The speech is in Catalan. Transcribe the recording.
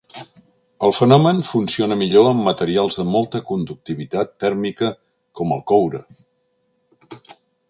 El fenomen funciona millor amb materials de molta conductivitat tèrmica com el coure.